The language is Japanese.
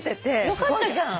よかったじゃん。